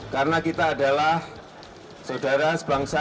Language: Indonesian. karena kita adalah saudara sebangga